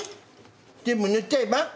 全部塗っちゃえば？